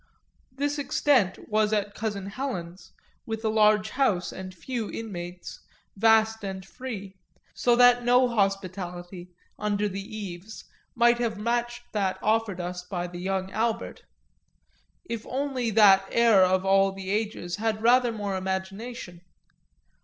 This extent was at cousin Helen's, with a large house and few inmates, vast and free, so that no hospitality, under the eaves, might have matched that offered us by the young Albert if only that heir of all the ages had had rather more imagination.